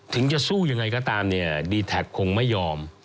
ถึงจะสู้ยังไงก็ตามดีแท็กคงไม่ยอม